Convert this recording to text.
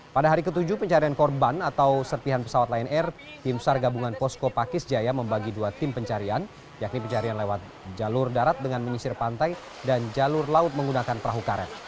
pada hari ke tujuh pencarian korban atau serpihan pesawat lion air tim sar gabungan posko pakis jaya membagi dua tim pencarian yakni pencarian lewat jalur darat dengan menyisir pantai dan jalur laut menggunakan perahu karet